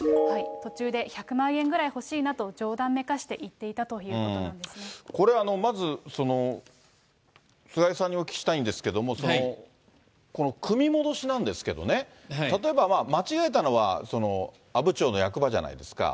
途中で１００万円くらい欲しいなと冗談めかして言っていたとこれ、まず、菅井さんにお聞きしたいんですけれども、組み戻しなんですけどね、例えば間違えたのは阿武町の役場じゃないですか。